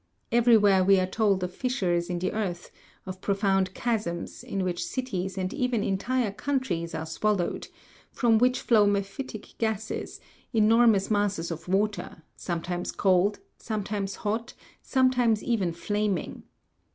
Everywhere we are told of fissures in the earth, of pro found chasms, in which cities and even entire countries are swallowed, from which flow mephitic gases, enormous masses of water, sometimes cold, sometimes hot, sometimes even flaming.